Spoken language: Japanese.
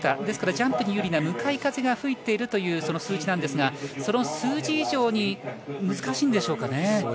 ですからジャンプに有利な向かい風が吹いているという数字なんですが、その数字以上に難しいんでしょうかね。